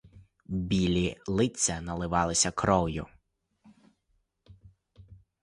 Білі лиця наливалися кров'ю.